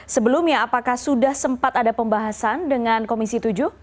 sebelumnya apakah sudah sempat ada pembahasan dengan komisi tujuh